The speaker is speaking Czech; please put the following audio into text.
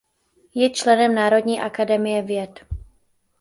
Je členem Národní Akademie Věd.